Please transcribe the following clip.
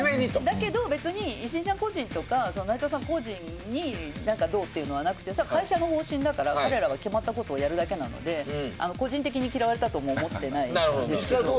だけど、石井ちゃん個人とか内藤さん個人にどうとかはなくて会社の方針だから、彼らは決まったことをやるだけなので個人的に嫌われたとは思ってないですけど。